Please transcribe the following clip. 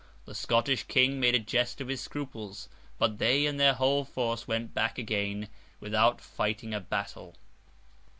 The Scottish King made a jest of his scruples; but they and their whole force went back again without fighting a battle.